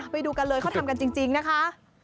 ไปดูกันเลยเขาทำกันจริงนะคะ